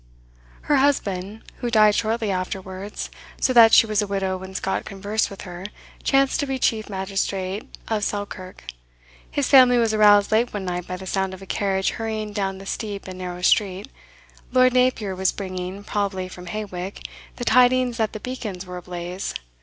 Her husband, who died shortly afterwards, so that she was a widow when Scott conversed with her, chanced to be chief magistrate of Selkirk. His family was aroused late one night by the sound of a carriage hurrying down the steep and narrow street. Lord Napier was bringing, probably from Hawick, the tidings that the beacons were ablaze.